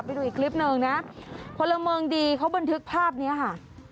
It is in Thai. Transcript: ไปดูอีกคลิปหนึ่งนะพลเมืองดีเขาบันทึกภาพนี้ค่ะ